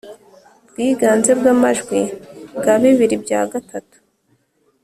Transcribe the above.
bwiganze bw amajwi bwa bibiri bya gatatu